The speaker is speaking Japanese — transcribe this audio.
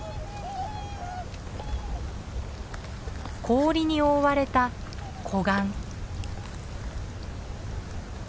氷に覆われた湖岸。